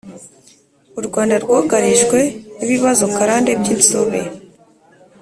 u rwanda rwugarijwe n'ibibazo karande by'insobe